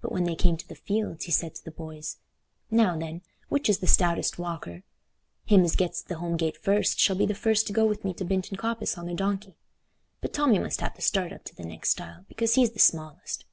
But when they came to the fields he said to the boys, "Now, then, which is the stoutest walker? Him as gets to th' home gate first shall be the first to go with me to Binton Coppice on the donkey. But Tommy must have the start up to the next stile, because he's the smallest."